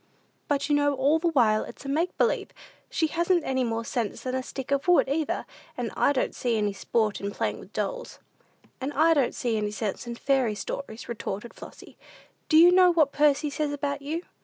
"But you know all the while it's a make believe. She hasn't any more sense than a stick of wood, either; and I don't see any sport in playing with dolls." "And I don't see any sense in fairy stories," retorted Flossy. "Do you know what Percy says about you?